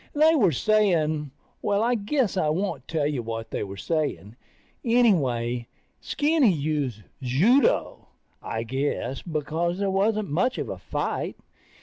They were saying ... Well, I guess I won't tell you what they were saying. Anyway, Skinny used judo, I guess, because there wasn't much of a fight.